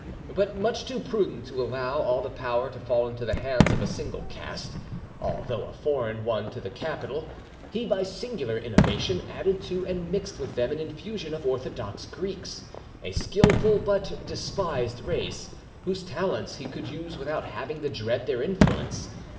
But much too prudent to allow all the power to fall into the hands of a single caste, although a foreign one to the capital, he, by a singular innovation, added to and mixed with them an infusion of Orthodox Greeks, a skilful but despised race, whose talents he could use without having to dread their influence.